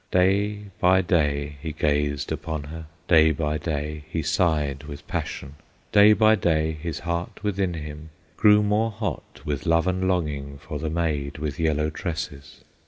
Day by day he gazed upon her, Day by day he sighed with passion, Day by day his heart within him Grew more hot with love and longing For the maid with yellow tresses.